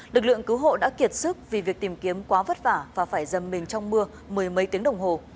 lực lượng cứu hộ đã kiệt sức vì việc tìm kiếm quá vất vả và phải dầm mình trong mưa mười mấy tiếng đồng hồ